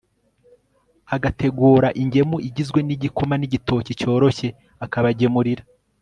agateguraingemu igizwe n'igikoma n'igitoki cyoroshye, akabagemurira